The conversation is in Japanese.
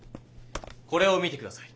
これを見て下さい。